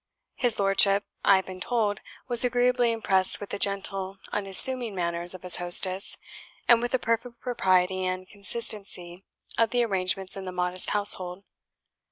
His Lordship, I have been told, was agreeably impressed with the gentle unassuming manners of his hostess, and with the perfect propriety and consistency of the arrangements in the modest household.